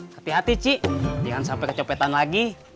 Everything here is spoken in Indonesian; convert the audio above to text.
hati hati cik jangan sampai kecopetan lagi